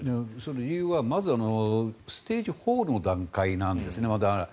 理由は、まずステージ４の段階なんですね。